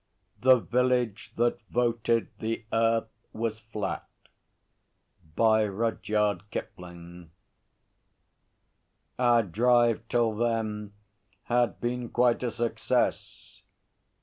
The Village that Voted the Earth was Flat (1913) Our drive till then had been quite a success.